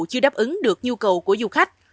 chưa đáp ứng được nhu cầu của du khách